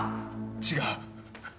違う。